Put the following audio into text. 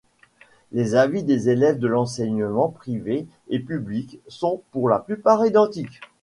Les avis des élèves de l'enseignement privé et public sont pour la plupart identiques.